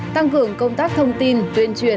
tăng cường công tác thông tin tuyên truyền